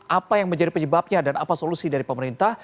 apa yang menjadi penyebabnya dan apa solusi dari pemerintah